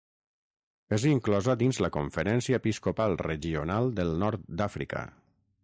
És inclosa dins la Conferència Episcopal Regional del Nord d'Àfrica.